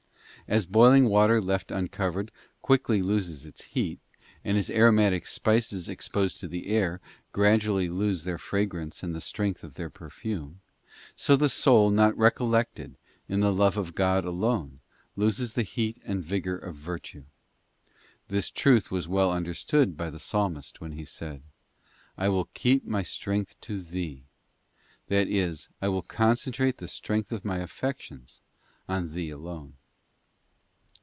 As boiling water left uncovered quickly loses its heat, and as aromatic spices exposed to the air gradually lose their fra grance and the strength of their perfume, so the soul not recollected in the love of God alone loses the heat and vigour of virtue. This truth was well understood by the Psalmist when he said, 'I will keep my strength to Thee,'f that is, I will concentrate the strength of my affections on Thee alone.